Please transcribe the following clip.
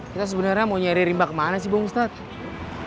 kita sebenernya mau nyari rimba kemana sih bang ustadz